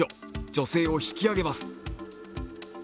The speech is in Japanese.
女性を引き上げます。